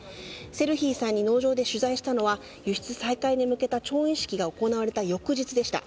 セルヒーさんに取材したのは輸出再開に向けた調印式が行われた翌日でした。